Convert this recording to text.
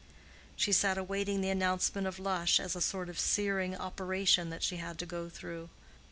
She sat awaiting the announcement of Lush as a sort of searing operation that she had to go through.